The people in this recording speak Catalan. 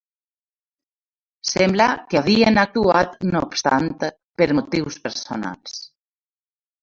Sembla que havien actuat no obstant per motius personals.